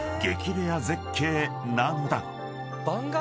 レア絶景なのだ］